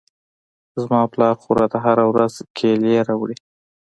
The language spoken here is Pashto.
زما پلار خو راته هره ورځ کېلې راوړي.